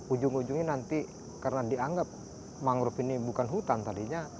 ujung ujungnya nanti karena dianggap mangrove ini bukan hutan tadinya